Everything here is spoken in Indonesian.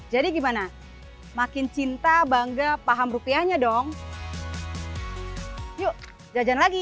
jadi gimana makin cinta bangga paham rupiahnya dong yuk jajan lagi